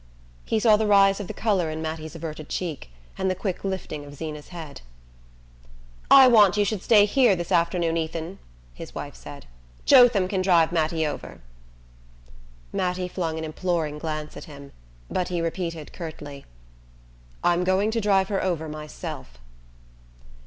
He saw the rise of the colour in Mattie's averted cheek, and the quick lifting of Zeena's head. "I want you should stay here this afternoon, Ethan," his wife said. "Jotham can drive Mattie over." Mattie flung an imploring glance at him, but he repeated curtly: "I'm going to drive her over myself."